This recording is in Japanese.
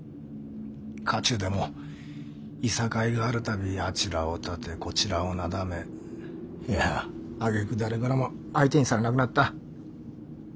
家中でも諍いがあるたびあちらを立てこちらをなだめいやあげく誰からも相手にされなくなった。